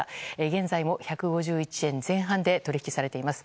現在も１５１円前半で取引されています。